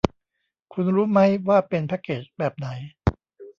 คุณรู้มั้ยว่าเป็นแพ็คเกจแบบไหน